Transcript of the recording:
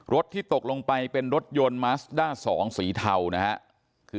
ที่ตกลงไปเป็นรถยนต์มัสด้าสองสีเทานะฮะ